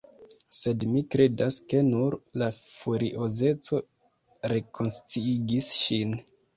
Sed mi kredas, ke nur la furiozeco rekonsciigis ŝin.